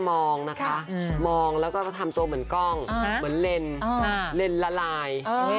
มองแล้วก็ทำตัวเหมือนกล้องมีเงินละลาย